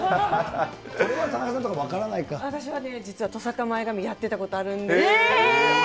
これは、私はね、実はトサカ前髪やってたことあるんです。